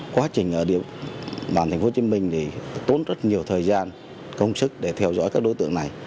quá trình ở địa bàn thành phố hồ chí minh tốn rất nhiều thời gian công sức để theo dõi các đối tượng này